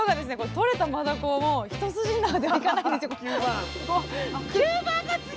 とれたマダコも一筋縄ではいかないんですよ！